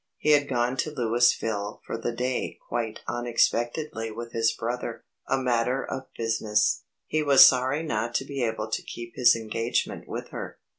He had gone to Louisville for the day quite unexpectedly with his brother a matter of business. He was sorry not to be able to keep his engagement with her.